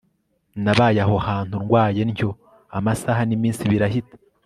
nabaye aho hantu ndwaye ntyo, amasaha niminsi birahita